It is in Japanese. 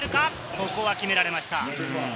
ここは決められました。